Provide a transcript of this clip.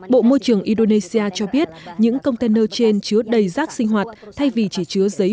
bộ môi trường indonesia cho biết những container trên chứa đầy rác sinh hoạt thay vì chỉ chứa giấy